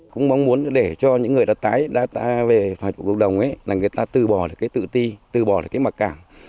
cũng mong muốn để cho những người đã tái về phạt hòa nhập cộng đồng người ta từ bỏ được cái tự ti từ bỏ được cái mặc cảm